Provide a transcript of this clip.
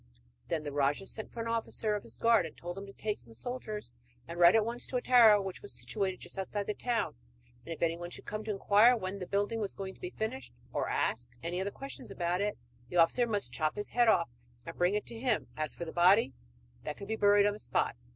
Then the rajah sent for an officer of his guard, and told him to take some soldiers and ride at once to a tower which was situated just outside the town, and if anyone should come to inquire when the building was going to be finished, or should ask any other questions about it, the officer must chop his head off, and bring it to him. As for the body, that could be buried on the spot.